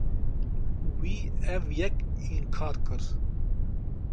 Wî ev yek înkar kir.